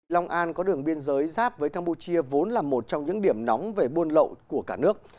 long an có đường biên giới giáp với campuchia vốn là một trong những điểm nóng về buôn lậu của cả nước